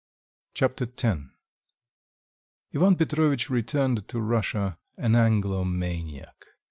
Chapter X Ivan Petrovitch returned to Russia an Anglomaniac.